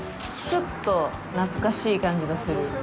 ちょっと懐かしい感じもする。